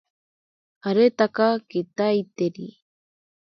Aretaka kitaiteri.